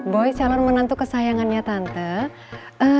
boy calon menantu kesayangannya tante